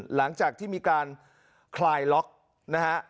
หลังจากที่มีการคลายล็อกนะฮะ